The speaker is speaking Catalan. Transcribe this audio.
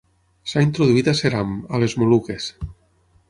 S'ha introduït a Seram, a les Moluques.